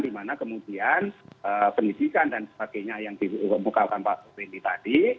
dimana kemudian pendidikan dan sebagainya yang dibukakan pak wendy tadi